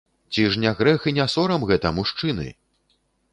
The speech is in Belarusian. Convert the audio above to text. Ці ж не грэх і не сорам гэта, мужчыны?